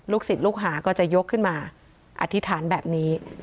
ศิษย์ลูกหาก็จะยกขึ้นมาอธิษฐานแบบนี้